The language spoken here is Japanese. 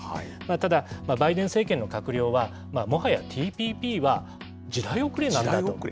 ただ、バイデン政権の閣僚は、もはやＴＰＰは時代遅れなんだと。